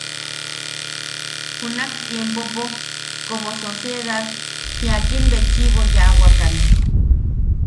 Junak_tiempopo como sociedad jiakimbetchiʼibo yaawakan.